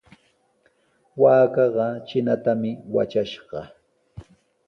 Waakaqa trinatami watrashqa.